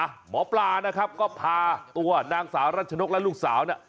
หมอปลานะครับก็พาตัวนางสาวรัชนกและลูกสาวเนี่ย